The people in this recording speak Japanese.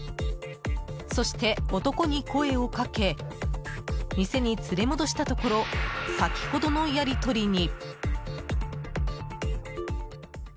そして男に声をかけ店に連れ戻したところ先ほどのやりとりに。